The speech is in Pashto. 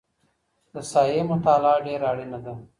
د ساحې مطالعه ډېره اړینه ده.